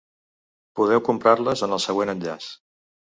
Podeu comprar-les en el següent enllaç.